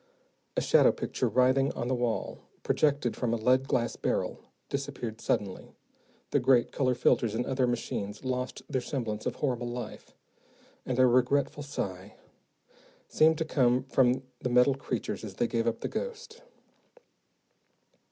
A shadow picture writhing on the wall, projected from a lead glass barrel, disappeared suddenly, the great color filters and other machines lost their semblance of horrible life, and a regretful sigh seemed to come from the metal creatures as they gave up the ghost.